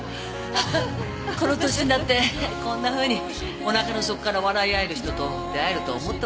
この歳になってこんなふうにおなかの底から笑い合える人と出会えるとは思ってもみなかった。